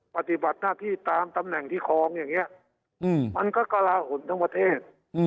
ปฏิบัติหน้าที่ตามตำแหน่งที่คลองอย่างนี้มันก็กระลาหลทั้งประเทศ